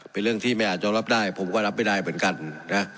เป็นเรื่องที่ไม่อาจจะรับได้ผมก็รับไม่ได้เหมือนกันนะ